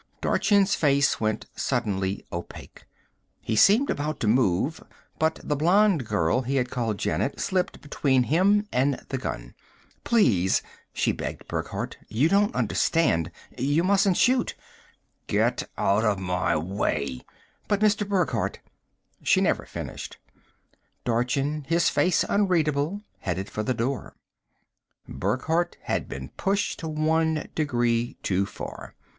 Dorchin's face went suddenly opaque. He seemed about to move; but the blonde girl he had called Janet slipped between him and the gun. "Please!" she begged Burckhardt. "You don't understand. You mustn't shoot!" "Get out of my way!" "But, Mr. Burckhardt " She never finished. Dorchin, his face unreadable, headed for the door. Burckhardt had been pushed one degree too far.